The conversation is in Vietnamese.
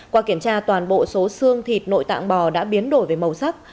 qua kiểm tra toàn bộ số xương thịt nội tạng bò đã biến đổi về màu sắc